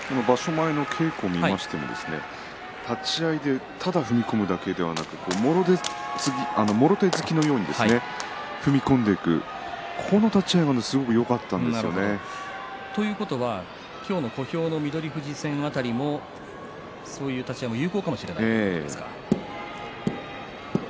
前の稽古を見ましても立ち合いでただ踏み込むだけではなくてもろ手突きのように踏み込んでいくこの立ち合いがということは今日の小兵の翠富士戦辺りもそういう立ち合いも有効かもしれないということですね。